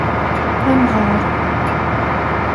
Amɣar.